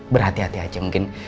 berhati hati aja mungkin